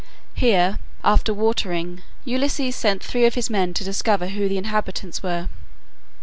Here, after watering, Ulysses sent three of his men to discover who the inhabitants were.